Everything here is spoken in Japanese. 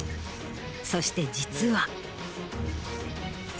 そして実は。